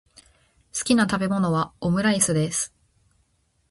好きな食べ物はオムライスです。